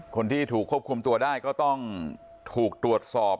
คนที่ถูกควบคุมตัวได้ก็ต้องถูกตรวจสอบ